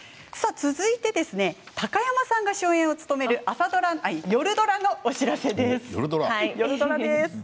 続いて高山さんが主演を務める夜ドラのお知らせです。